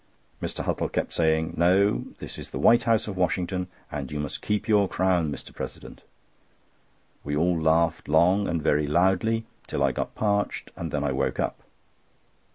Mr. Huttle kept saying: "No, this is the White House of Washington, and you must keep your crown, Mr. President." We all laughed long and very loudly, till I got parched, and then I woke up.